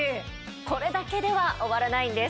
これだけでは終わらないんです。